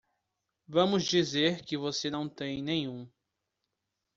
Vamos dizer que você não tem nenhum.